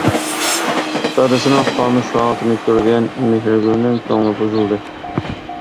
دادىسىنىڭ خامۇش ھالىتىنى كۆرگەن مېھرىگۈلنىڭ كۆڭلى بۇزۇلدى.